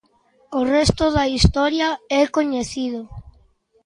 O resto da historia é coñecido.